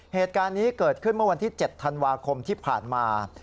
เหตุการณ์นี้เกิดขึ้นเมื่อวันที่๗ธันวาคมที่ผ่านมา